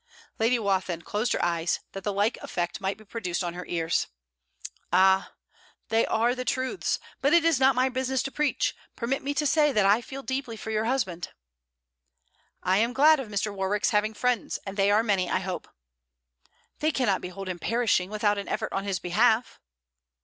Lady Wathin closed her eyes, that the like effect might be produced on her ears. 'Ah! they are the truths. But it is not my business to preach. Permit me to say that I feel deeply for your husband.' 'I am glad of Mr. Warwick's having friends; and they are many, I hope.' 'They cannot behold him perishing, without an effort on his behalf.'